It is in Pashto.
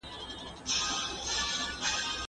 صنعتي سکتور څنګه د بازار غوښتنې ته ځواب ورکوي؟